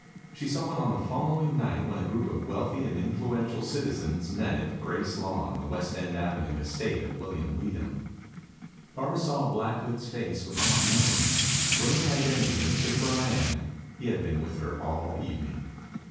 She saw it on the following night when a group of wealthy and influential citizens met at Gracelawn, the West End Avenue estate of William Weedham. Barbara saw Black Hood's face without knowing it, for in the identity of Kip Burland he had been with her all evening.